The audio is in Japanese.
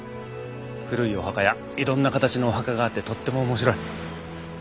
古いお墓やいろんな形のお墓があってとっても面白い。